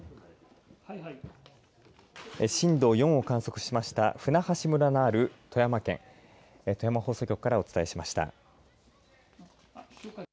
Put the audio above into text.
震度４を観測しました舟橋村がある富山県富山放送局からお伝えしました。